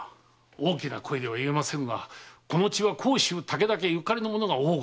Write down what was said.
大きな声では言えませぬがこの地は甲州・武田家ゆかりの者が多ござる。